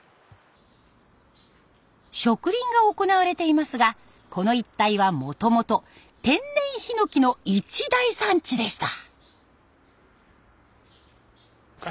植林が行われていますがこの一帯はもともと天然ヒノキの一大産地でした。